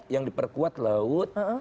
yang diperkuat laut